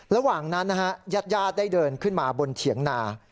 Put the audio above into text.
ระหว่างนั้นนะฮะญาติญาติได้เดินขึ้นมาบนเถียงนา